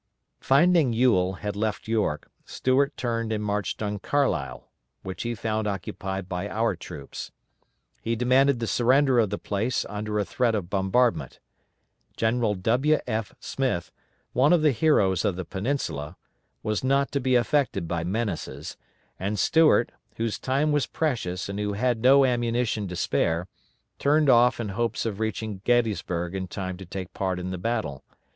Finding Ewell had left York, Stuart turned and marched on Carlisle, which he found occupied by our troops. He demanded the surrender of the place under a threat of bombardment. General W. F. Smith, one of the heroes of the Peninsula, was not to be affected by menaces; and Stuart, whose time was precious and who had no ammunition to spare, turned off in hopes of reaching Gettysburg in time to take part in the battle.